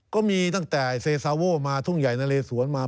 ก็มีตั้งแต่เซซาโว่มาทุ่งใหญ่นะเลสวนมา